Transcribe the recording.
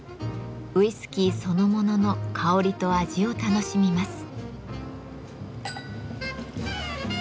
ウイスキーそのものの香りと味を楽しみます。